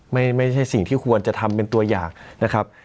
ไม่ใช่สิ่งที่ควรจะทำเป็นตัวอย่างนะครับ